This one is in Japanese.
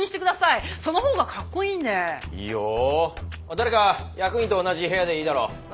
誰か役員と同じ部屋でいいだろう。な？